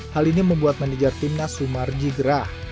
hal ini membuat manajer timnas sumarji gerah